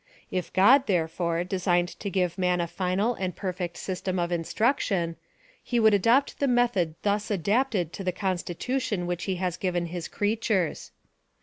If God, therefore, designed to give man a final and jxirfect system of instruction, he would adopt the method thus adapted to the constitution which he has given his creatures.